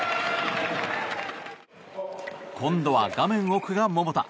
今度は画面奥が桃田。